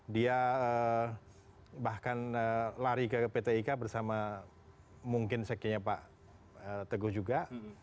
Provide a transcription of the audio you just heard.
dia bahkan lari ke pt ika bersama mungkin sekinya pak teguh juga